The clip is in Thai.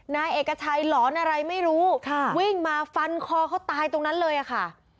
นายเอกชัยหลอนอะไรไม่รู้วิ่งมาฟันคอเขาตายตรงนั้นเลยค่ะ